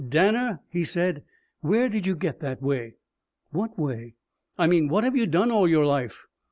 "Danner," he said, "where did you get that way?" "What way?" "I mean what have you done all your life?"